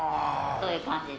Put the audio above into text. そういう感じで。